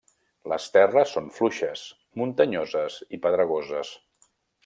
Les terres són fluixes, muntanyoses i pedregoses.